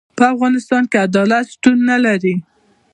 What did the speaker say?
په افغانستان کي عدالت شتون نلري.